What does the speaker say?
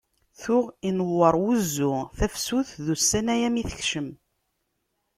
Tuɣ inewweṛ uzzu, tafsut d ussan-aya mi tekcem.